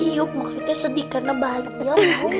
hiu maksudnya sedih karena bahagia